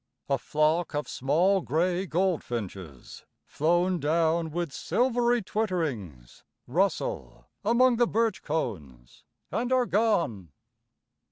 A flock of small gray goldfinches, Flown down with silvery twitterings, Rustle among the birch cones and are gone.